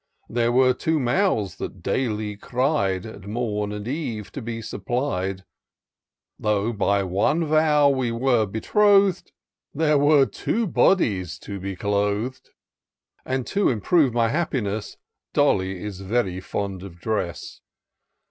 There were two mouths that daily cried, At morn and eve, to be supplied : 286 TOUR OF DOCTOR SYNTAX Though by one vow we were betroth'd, There were two bodies to be cloth'd ; And, to improve my happiness, Dolly is very fond of dress.